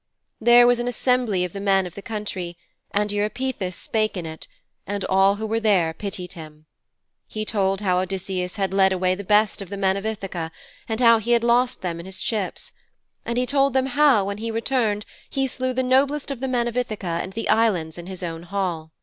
There was an assembly of the men of the country, and Eupeithes spake in it, and all who were there pitied him. He told how Odysseus had led away the best of the men of Ithaka, and how he had lost them in his ships. And he told them how, when he returned, he slew the noblest of the men of Ithaka and the Islands in his own hall.